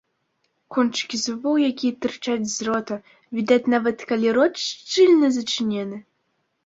Кончыкі зубоў, якія тырчаць з рота, відаць нават калі рот шчыльна зачынены.